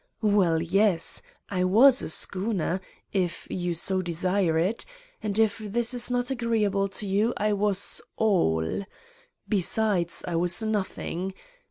Well, yes, I was a schooner, if you so desire it, and if this is not agreeable to you I was All. Besides I was Nothing.